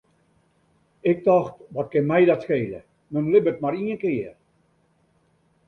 Ik tocht, wat kin my dat skele, men libbet mar ien kear.